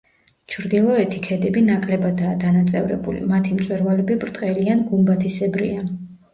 ჩრდილოეთი ქედები ნაკლებადაა დანაწევრებული, მათი მწვერვალები ბრტყელი ან გუმბათისებრია.